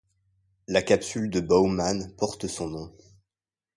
La capsule de Bowman porte son nom.